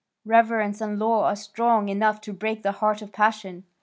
Reverence and law are strong enough to break the heart of passion.